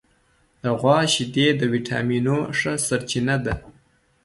د غوا شیدې د وټامینونو ښه سرچینه ده.